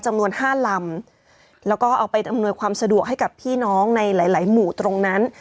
จำนวน๕ลำแล้วก็เอาไปอำนวยความสะดวกให้กับพี่น้องในหลายหมู่ตรงนั้น